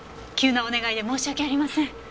急なお願いで申し訳ありません。